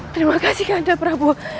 terima kasih kandar prabowo